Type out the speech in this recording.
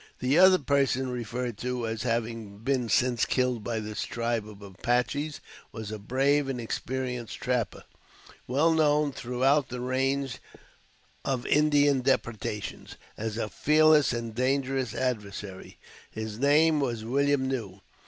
The other person referred to as having been since killed by this tribe of Apaches was a brave and experienced trapper, well known throughout the range of Indian depredations as a fearless and dangerous adversary. His name was William New.